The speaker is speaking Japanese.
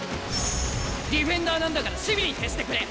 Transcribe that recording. ディフェンダーなんだから守備に徹してくれ！